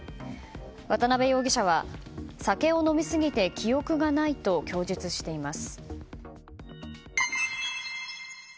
渡辺容疑者は、酒を飲みすぎて記憶がないと供述しています。